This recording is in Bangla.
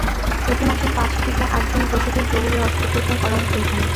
প্রতি মাসে পাঁচ থেকে আটজন প্রসূতির জরুরি অস্ত্রোপচার করা হতো এখানে।